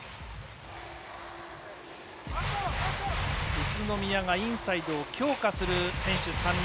宇都宮がインサイドを強化する選手３人。